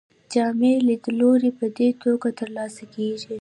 جامع لیدلوری په دې توګه ترلاسه کیږي.